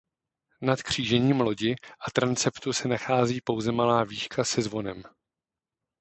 Nad křížením lodi a transeptu se nachází pouze malá vížka se zvonem.